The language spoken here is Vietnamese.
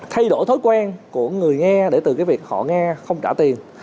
thay đổi thói quen của người nghe để từ cái việc họ nghe không trả tiền